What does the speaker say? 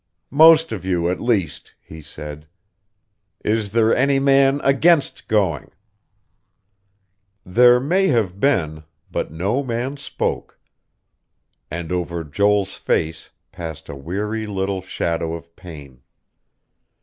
"Most of you, at least," he said. "Is there any man against going?" There may have been, but no man spoke; and over Joel's face passed a weary little shadow of pain.